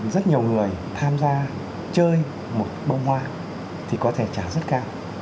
rất nhiều người tham gia chơi một bông hoa thì có thể trả rất cao